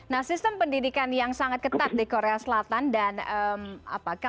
nah sistem pendidikan yang sangat ketat di korea selatan dan apakah